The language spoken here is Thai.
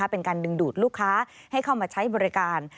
เป็นการดึงดูดลูกค้าให้เข้ามาใช้บริการ